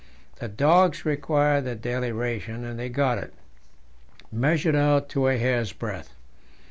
The dogs required their daily ration, and they got it measured out to a hair's breadth.